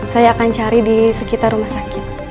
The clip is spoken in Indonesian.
saya akan cari di sekitar rumah sakit